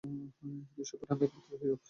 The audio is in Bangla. এই দৃশ্যপটের আমিই একমাত্র হিরো।